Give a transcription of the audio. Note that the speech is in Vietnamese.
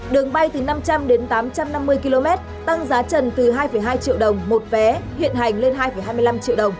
đường bay từ năm trăm linh đến tám trăm năm mươi km tăng giá trần từ hai hai triệu đồng một vé hiện hành lên hai hai mươi năm triệu đồng